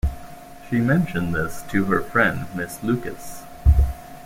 She mentioned this to her friend Miss Lucas.